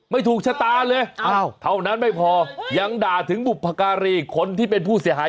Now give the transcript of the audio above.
ไม่ถูกชะตาเลยเท่านั้นไม่พอยังด่าถึงบุพการีคนที่เป็นผู้เสียหาย